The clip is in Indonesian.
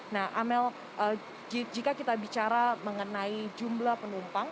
nah amel jika kita bicara mengenai jumlah penumpang